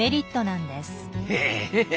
へえ。